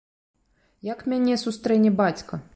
Як мяне сустрэне бацька?